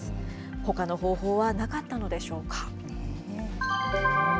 ほかの方法はなかったのでしょうか。